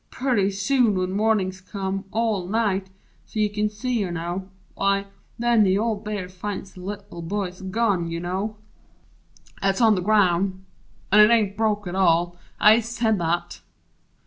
_ purty soon, when morning's come All light so's you kin see, you know, w'y, nen The old Bear finds the Little Boy's gun, you know, 'At's on the ground. (An' it ain't broke at all I ist said that!)